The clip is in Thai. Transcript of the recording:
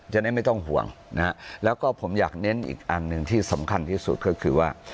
จะได้ไม่ต้องห่วงนะฮะแล้วก็ผมอยากเน้นอีกอันหนึ่งที่สำคัญที่สุดก็คือว่า